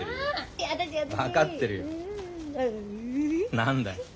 何だよ。